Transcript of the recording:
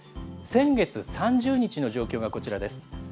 先月３０日の状況がこちらです。